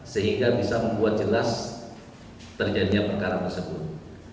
sehingga bisa membuat jelas terjadinya perkara tersebut